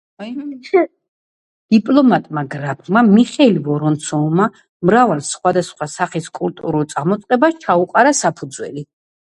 დიპლომატმა გრაფმა მიხეილ ვორონცოვმა მრავალ, სხვადასხვა სახის კულტურულ წამოწყებას ჩაუყარა საფუძველი.